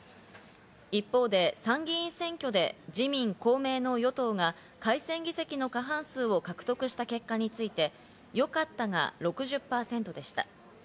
一方で参議院選挙で自民・公明の与党が改選議席の過半数を獲得した結果について、よかったが６０％でした。